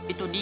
itu dia bi